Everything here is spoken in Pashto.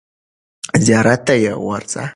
زیارت ته یې ورځه.